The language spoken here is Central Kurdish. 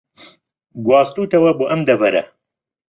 گواستووەتەوە بۆ ئەم دەڤەرە